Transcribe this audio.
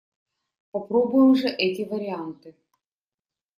Попробуем же эти варианты!